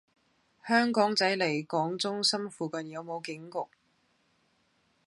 香港仔利港中心附近有無警局？